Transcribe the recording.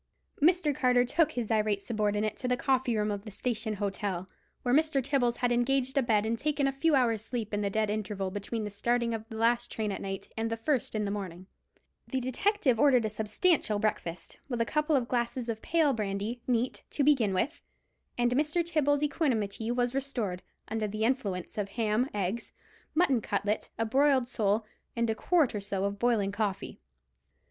Mr. Carter took his irate subordinate to the coffee room of the Station Hotel, where Mr. Tibbles had engaged a bed and taken a few hours' sleep in the dead interval between the starting of the last train at night and the first in the morning. The detective ordered a substantial breakfast, with a couple of glasses of pale brandy, neat, to begin with; and Mr. Tibbles' equanimity was restored, under the influence of ham, eggs, mutton cutlet, a broiled sole, and a quart or so of boiling coffee.